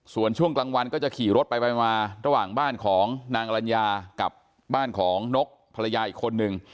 ส่วนช่วงกลางวันก็จะขี่รถไปมาระหว่างบ้านของนางอรัญญากับบ้านของนกภรรยาอีกคนนึง